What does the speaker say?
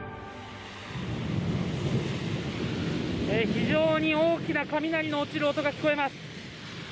非常に大きな雷の落ちる音が聞こえます。